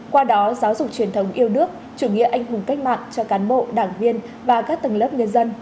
qua đó giáo dục truyền thống yêu nước chủ nghĩa anh hùng cách mạng cho cán bộ đảng viên và các tầng lớp nhân dân